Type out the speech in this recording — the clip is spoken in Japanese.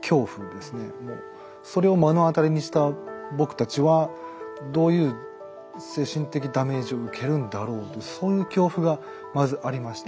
もうそれを目の当たりにした僕たちはどういう精神的ダメージを受けるんだろうというそういう恐怖がまずありました。